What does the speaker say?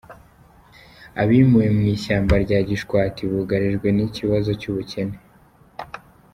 Abimuwe mu ishyamba rya Gishwati bugarijwe n’ikibazo cy’ubukene